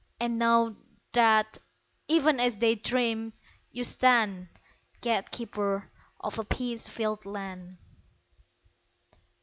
and know That, even as they dreamed, you stand Gatekeeper of a peace filled land!